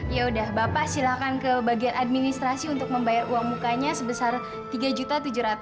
ya udah bapak silakan ke bagian administrasi untuk membayar uang mukanya sebesar tiga juta